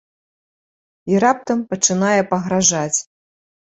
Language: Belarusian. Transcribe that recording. І раптам пачынае пагражаць.